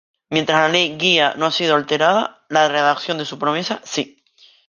Mientras la ley guía no ha sido alterada, la redacción de su promesa si.